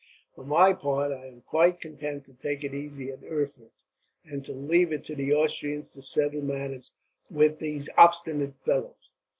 For my part, I am quite content to take it easy at Erfurt, and to leave it to the Austrians to settle matters with these obstinate fellows."